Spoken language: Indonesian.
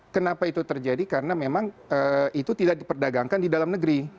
kenapa itu terjadi karena memang itu tidak diperdagangkan di dalam negeri